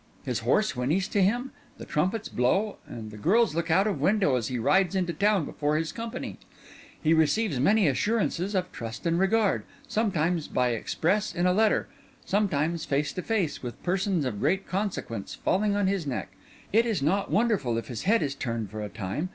His horse whinnies to him; the trumpets blow and the girls look out of window as he rides into town before his company; he receives many assurances of trust and regard—sometimes by express in a letter—sometimes face to face, with persons of great consequence falling on his neck. It is not wonderful if his head is turned for a time.